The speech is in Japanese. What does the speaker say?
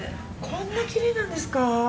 こんなきれいなんですか。